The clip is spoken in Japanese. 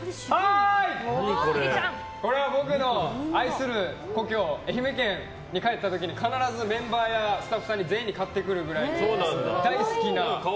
はーい！これは僕の愛する故郷愛媛県に帰った時に必ずメンバーやスタッフさんに全員で買ってくるくらい大好きな。